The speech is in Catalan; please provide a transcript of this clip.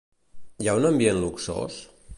Hi ha un ambient luxós?